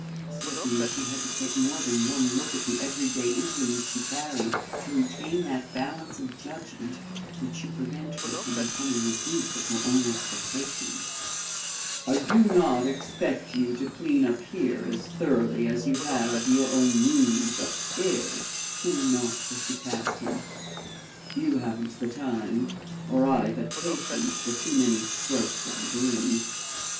Certainly she had to take more than one look at the every day implements she carried to retain that balance of judgment which should prevent her from becoming the dupe of her own expectations. "I do not expect you to clean up here as thoroughly as you have your own rooms up stairs," he remarked, as she passed him. "You haven't the time, or I the patience for too many strokes of the broom.